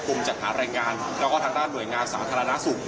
จัดหารายงานแล้วก็ทางด้านหน่วยงานสาธารณสุข